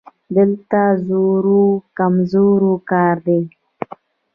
دلته زورور او کمزوری کار دی